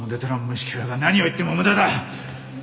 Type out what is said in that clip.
虫けらが何を言っても無駄だ！